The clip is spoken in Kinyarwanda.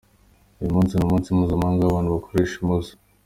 Uyu munsi ni umunsi mpuzamahanga w’abantu bakoresha imoso.